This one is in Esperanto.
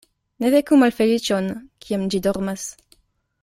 Ne veku malfeliĉon, kiam ĝi dormas.